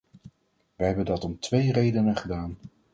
Wij hebben dat om twee redenen gedaan.